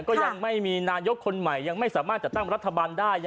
ก็ยังไม่มีนายกคนใหม่ยังไม่สามารถจัดตั้งรัฐบาลได้